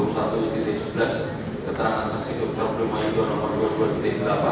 keterangan saksi dokter prima yudho nomor dua puluh dua delapan